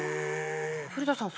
古田さん